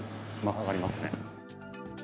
上がりますね。